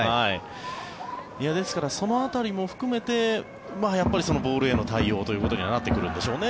ですからその辺りも含めてやっぱりボールへの対応となってくるんでしょうね。